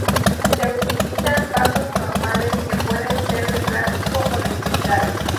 Se utilizan vasos normales, que pueden ser de plástico o de cristal.